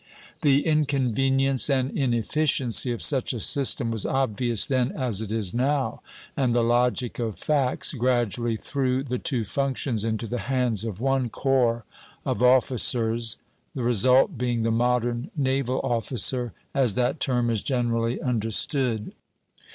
The inconvenience and inefficiency of such a system was obvious then as it is now, and the logic of facts gradually threw the two functions into the hands of one corps of officers, the result being the modern naval officer, as that term is generally understood.